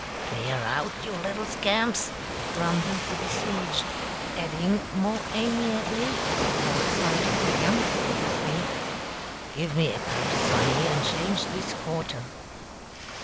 "Clear out, you little scamps!" grumbled the besieged, adding, more amiably, as he caught sight of the youngest of the three, "give me a Post, sonny, and change this quarter."